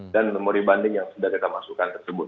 dan memori banding yang sudah kita masukkan tersebut